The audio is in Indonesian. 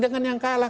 jangan yang kalah